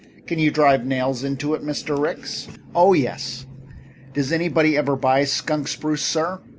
"Can you drive nails in it, Mr. Ricks?" "Oh, yes." "Does anybody ever buy skunk spruce, sir?"